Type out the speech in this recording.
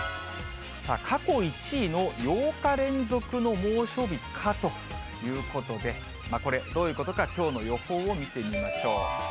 過去１位の８日連続の猛暑日かということで、これ、どういうことか、きょうの予報を見てみましょう。